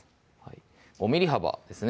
５ｍｍ幅ですね